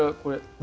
何？